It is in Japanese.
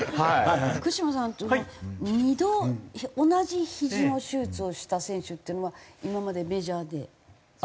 福島さん２度同じひじの手術をした選手っていうのは今までメジャーでいらっしゃる？